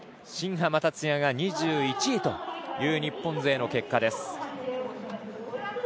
新濱立也が２１位という日本勢の結果です。